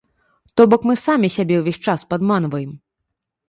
То бок мы самі сябе ўвесь час падманваем.